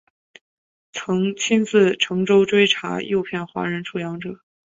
曾亲自乘舟追查诱骗华人出洋者。